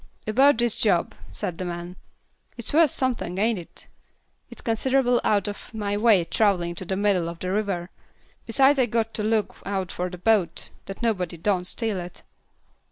"About this job," said the man, "it's worth somethin', ain't it? It's considerable out of my way, travelin' to the middle of the river; besides I've got to look out for that boat, that nobody don't steal it."